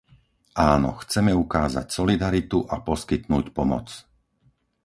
Áno, chceme ukázať solidaritu a poskytnúť pomoc.